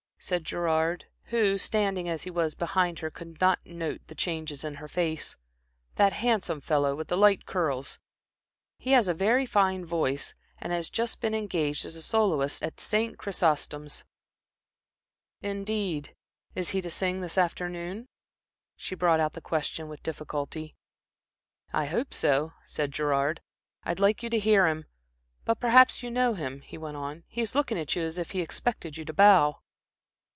said Gerard, who, standing as he was behind her could not note the changes in her face, "that handsome fellow with the light curls? He has a very fine voice, and has just been engaged as soloist at St. Chrysostom's." "Indeed. Is he to sing this afternoon?" She brought out the question with difficulty. "I hope so," said Gerard. "I'd like you to hear him. But perhaps you know him," he went on. "He is looking at you as if he expected you to bow."